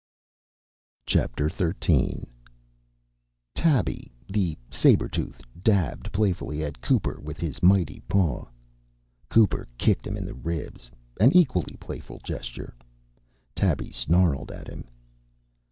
XIII Tabby, the saber tooth, dabbed playfully at Cooper with his mighty paw. Cooper kicked him in the ribs an equally playful gesture. Tabby snarled at him.